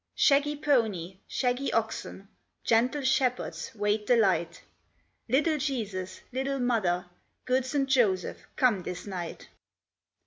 Shaggy pony, shaggy oxen, Gentle shepherds wait the light; Little Jesus, little Mother, Good St. Joseph, come this night.